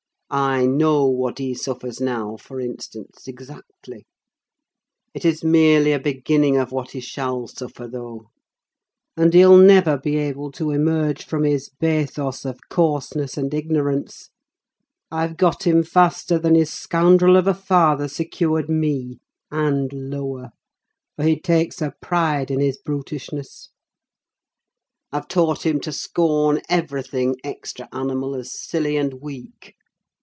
I know what he suffers now, for instance, exactly: it is merely a beginning of what he shall suffer, though. And he'll never be able to emerge from his bathos of coarseness and ignorance. I've got him faster than his scoundrel of a father secured me, and lower; for he takes a pride in his brutishness. I've taught him to scorn everything extra animal as silly and weak.